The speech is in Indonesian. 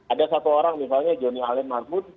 ada satu orang misalnya johnny allen margoon